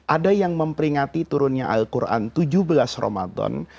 ada yang memperingati turunnya al quran tujuh belas ramadan